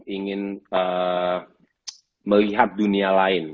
ingin melihat dunia lain